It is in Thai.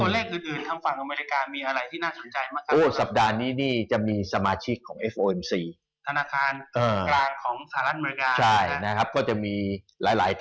เลขอื่นทางฝั่งอเมริกามีอะไรที่น่าสนใจมากครับ